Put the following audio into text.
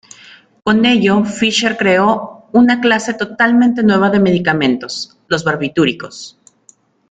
Con ello Fischer creó una clase totalmente nueva de medicamentos: los barbitúricos.